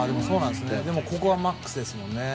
でもここがマックスですもんね。